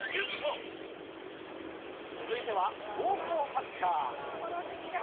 続いては、高校サッカー。